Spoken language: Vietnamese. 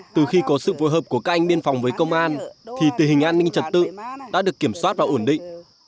từ khi có sự phối hợp của các anh biên phòng với công an thì tình hình an ninh trật tự đã được kiểm soát và ổn định